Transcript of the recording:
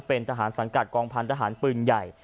เป็นทหารสังกัดกองพันธหารปืนใหญ่